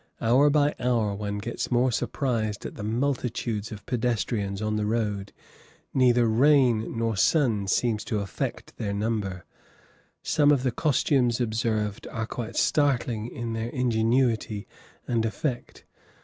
Hour by hour one gets more surprised at the multitudes of pedestrians on the road; neither rain nor sun seems to affect their number. Some of the costumes observed are quite startling in their ingenuity and effect.